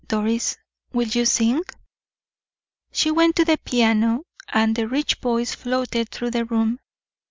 Doris, will you sing?" She went to the piano, and the rich voice floated through the room.